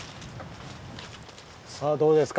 さあどうですか？